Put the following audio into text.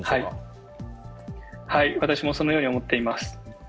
はい、私もそのように思っています。